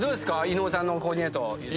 伊野尾さんのコーディネート。